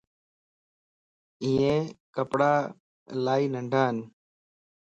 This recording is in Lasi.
ايي ڪپڙا الائي ننڍان